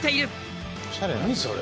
おしゃれ。